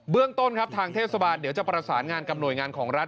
เรื่องต้นครับทางเทศบาลเดี๋ยวจะประสานงานกับหน่วยงานของรัฐ